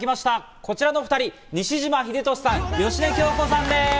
こちらのお２人、西島秀俊さん、芳根京子さんです。